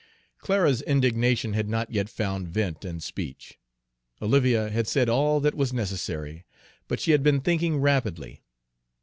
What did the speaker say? Clara's indignation had not yet found vent in speech; Olivia had said all that was necessary, but she had been thinking rapidly.